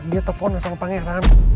dia telepon sama pangeran